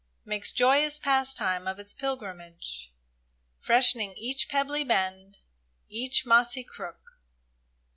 Makes joyous pastime of its pilgrimage, Fresh'ning each pebbly bend, each mossy crook.